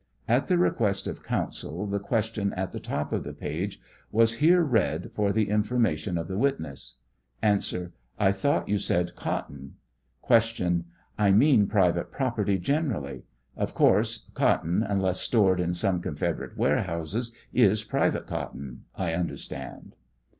[At the request of counsel, the question at the top of the page was here read for the information of the wit ness.] A. I thought you said cotton. Q. I mean private property generally; of course, cotton, unless stored in some Confederate warehouses, is private cotton, I understand